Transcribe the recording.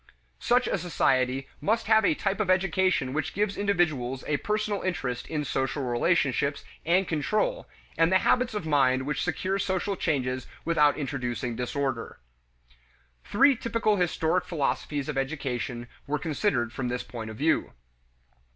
Such a society must have a type of education which gives individuals a personal interest in social relationships and control, and the habits of mind which secure social changes without introducing disorder. Three typical historic philosophies of education were considered from this point of view.